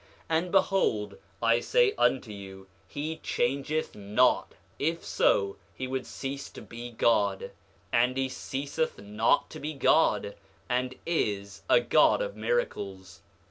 And behold, I say unto you he changeth not; if so he would cease to be God; and he ceaseth not to be God, and is a God of miracles.